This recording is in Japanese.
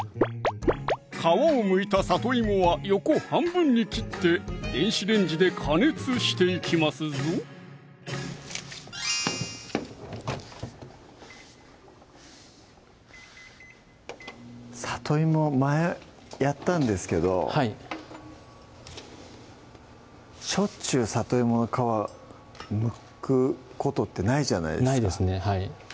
皮をむいたさといもは横半分に切って電子レンジで加熱していきますぞさといも前やったんですけどはいしょっちゅうさといもの皮むくことってないじゃないですかないですね